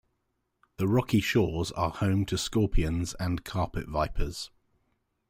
The rocky shores are home to scorpions and carpet vipers.